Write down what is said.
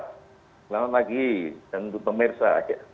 selamat pagi dan pemirsa